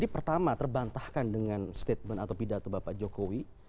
pertama terbantahkan dengan statement atau pidato bapak jokowi